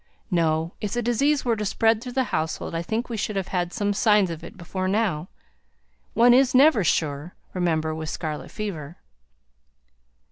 "No! If the disease were to spread through the household, I think we should have had some signs of it before now. One is never sure, remember, with scarlet fever."